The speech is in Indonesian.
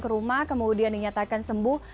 ke rumah kemudian dinyatakan sembuh